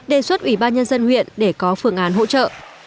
đề xuất ủy ban nhân dân huyện để có phương án hỗ trợ